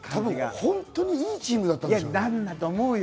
本当にいいチームだったんでだと思うよ。